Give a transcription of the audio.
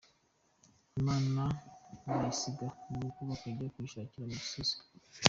Imana bayisiga mu rugo bakajya kuyishakira mu misozi .